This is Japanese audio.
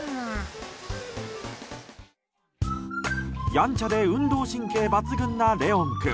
やんちゃで運動神経抜群なレオン君。